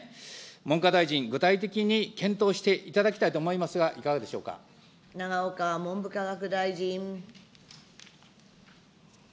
文科大臣、具体的に検討していただきたいと思いますが、いかがで永岡文部科学大臣。